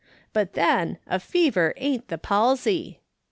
But then, a fever ain't the palsy.'